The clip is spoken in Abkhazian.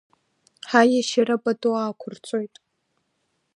Ҳаиашьара пату ақәырҵоит.